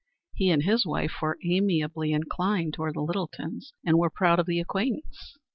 He and his wife were amiably inclined toward the Littletons, and were proud of the acquaintance.